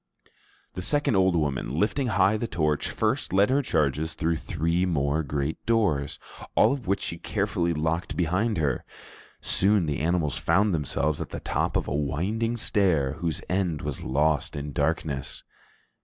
The second old woman, lifting high the torch, first led her charges through three more great doors, all of which she carefully locked behind her. Soon the animals found themselves at the top of a winding stair whose end was lost in darkness.